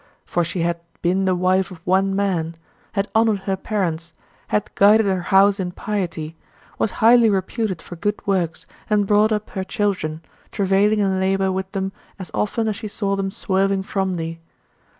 For she had "been the wife of one man," had honored her parents, had guided her house in piety, was highly reputed for good works, and brought up her children, travailing in labor with them as often as she saw them swerving from thee.